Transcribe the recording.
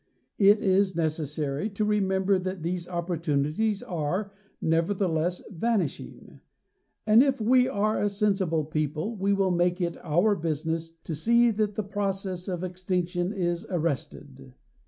… It is necessary to remember that these opportunities are, nevertheless, vanishing; and if we are a sensible people we will make it our business to see that the process of extinction is arrested.